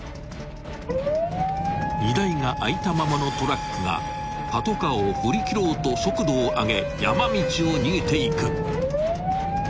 ［荷台が開いたままのトラックがパトカーを振り切ろうと速度を上げ］